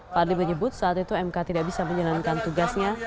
fadli menyebut saat itu mk tidak bisa menjalankan tugasnya